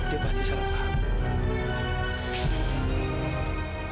dia berarti salah paham